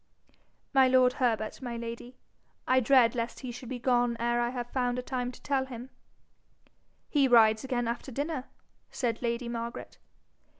'My lord Herbert, my lady. I dread lest he should be gone ere I have found a time to tell him.' 'He rides again after dinner,' said lady Margaret.